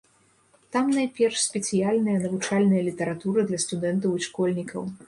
Там найперш спецыяльная навучальная літаратура для студэнтаў і школьнікаў.